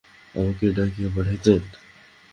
আমাকে ডাকিয়া পাঠাইতেন।